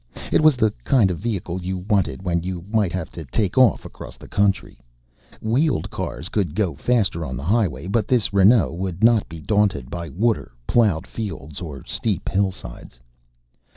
It was the kind of vehicle you wanted when you might have to take off across the country. Wheeled cars could go faster on the highway, but this Renault would not be daunted by water, plowed fields, or steep hillsides.